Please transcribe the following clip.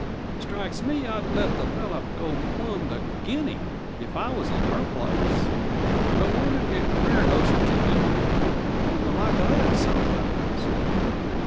Strikes me I'd a let the fellow go plumb to Guinea, if I was in her place, but women get queer notions of duty, and the like of that, sometimes.